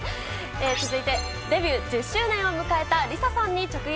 続いてデビュー１０周年を迎えたリサさんに直撃。